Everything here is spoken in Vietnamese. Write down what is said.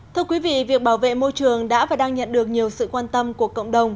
thưa quý vị việc bảo vệ môi trường đã và đang nhận được nhiều sự quan tâm của cộng đồng